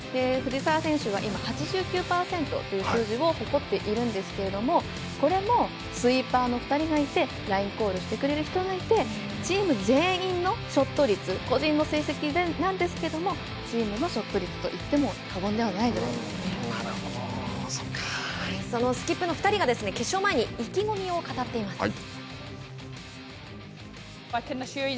藤澤選手は今８９％という数字を誇っているんですけれどもこれもスイーパーの２人がいてラインコールしてくれる人がいてチーム全員のショット率個人の成績なんですけどもチームのショット率といってもそのスキップの２人が決勝前に意気込みを語っています。